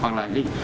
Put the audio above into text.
hoặc là định